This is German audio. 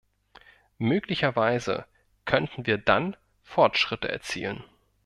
Möglicherweise könnten wir dann Fortschritte erzielen.